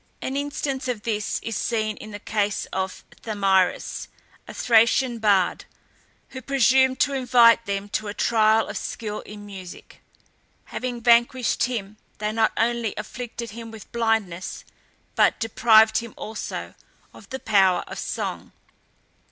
An instance of this is seen in the case of Thamyris, a Thracian bard, who presumed to invite them to a trial of skill in music. Having vanquished him, they not only afflicted him with blindness, but deprived him also of the power of song.